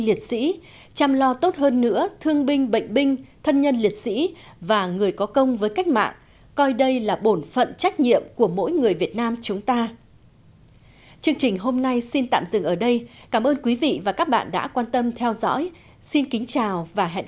đồng thời phát hiện biểu dương tôn vinh những tập thể cá nhân người có công với cách mạng đã nêu cao ý chí phấn đấu vươn lên trong công tác chiến đấu lao động và học tập tiếp tục đóng góp công sức trí tuệ để xây dựng quê hương đất nước giàu mạnh